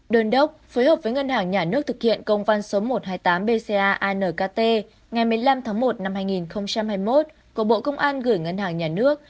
đơn đốc phối hợp với ngân hàng nhà nước thực hiện công văn số một trăm hai mươi tám bcanhkt ngày một mươi năm tháng một năm hai nghìn hai mươi một của bộ công an gửi ngân hàng nhà nước